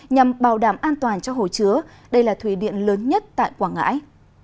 nhằm bảo đảm an toàn cho hồ chứa đây là thủy điện lớn nhất tại quảng ngãi